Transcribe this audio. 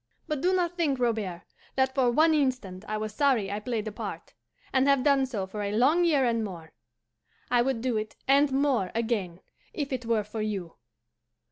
But do not think, Robert, that for one instant I was sorry I played a part, and have done so for a long year and more. I would do it and more again, if it were for you.